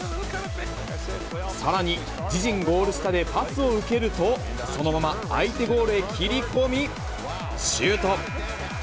さらに、自陣ゴール下でパスを受けると、そのまま相手ゴールへ切り込み、シュート。